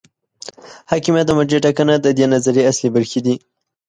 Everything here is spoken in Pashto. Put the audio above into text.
حاکمیت او مرجع ټاکنه د دې نظریې اصلي برخې دي.